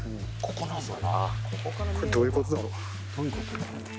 これどういうことだろう？